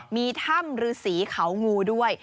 มีถ้ำฤษีเขางูด้วย